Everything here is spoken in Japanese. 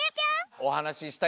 おはなししたい